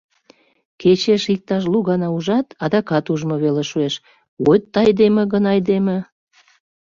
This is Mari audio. Кечеш иктаж лу гана ужат, адакат ужмо веле шуэш: вот айдеме гын, айдеме!